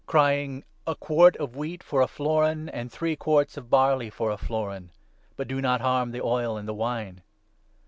crying —' A quart of wheat for a florin, and three quarts of barley for a florin ! But do not harm the oil and the wine.'